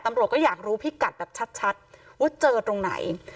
ตำรวจก็อยากรู้พิกัดแบบชัดว่าเจอตรงไหน